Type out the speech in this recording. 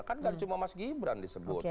kan gak cuma mas gibran disebut